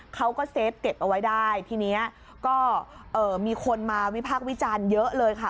เขาก็เซฟเก็บเอาไว้ได้ทีนี้ก็เอ่อมีคนมาวิพากษ์วิจารณ์เยอะเลยค่ะ